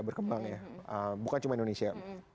berkembang ya bukan cuma indonesia